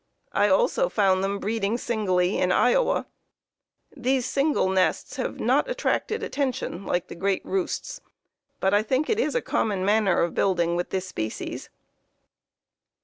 I also found them breeding singly in Iowa. These single nests have not attracted attention like the great roosts, but I think it is a common manner of building with this species."